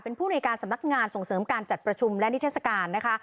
เป็นผู้ในการสำนักงานส่งเสริมการจัดประชุมและนิทัศกาลนะคะ